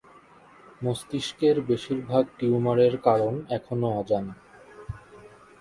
মস্তিষ্কের বেশিরভাগ টিউমারের কারণ এখনও অজানা।